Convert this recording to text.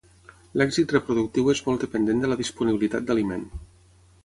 L'èxit reproductiu és molt dependent de la disponibilitat d'aliment.